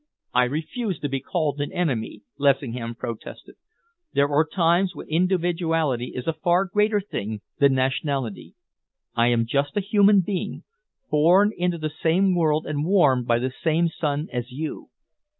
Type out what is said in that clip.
"I refuse to be called an enemy," Lessingham protested. "There are times when individuality is a far greater thing than nationality. I am just a human being, born into the same world and warmed by the same sun as you.